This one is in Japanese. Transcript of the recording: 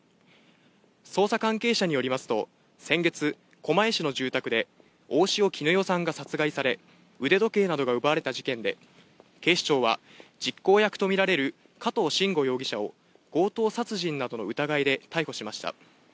捜査関係者によりますと、先月、狛江市の住宅で大塩衣与さんが殺害され、腕時計などが奪われた事件で、警視庁は、実行役と見られる加藤臣吾容疑者を、強盗殺人などの疑いで逮捕しました。